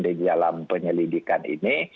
di dalam penyelidikan ini